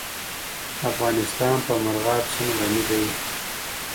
افغانستان په مورغاب سیند غني دی.